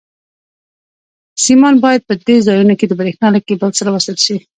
سیمان باید په دې ځایونو کې د برېښنا له کېبل سره وصل شي.